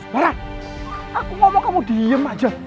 malah aku ngomong kamu diem aja